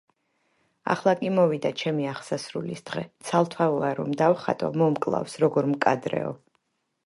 ახლა კი მოვიდა ჩემი აღსასრულის დღე, ცალთვალა რომ დავხატო, მომკლავს, როგორ მკადრეო;